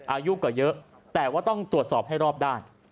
อายุก็เยอะแต่ว่าต้องตรวจสอบให้รอบด้าน